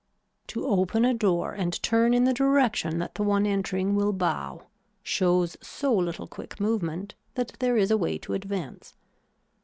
To open a door and turn in the direction that the one entering will bow shows so little quick movement that there is a way to advance.